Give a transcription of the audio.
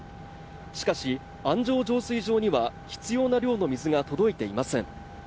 しかし安城浄水場には必要な量の水が届いていません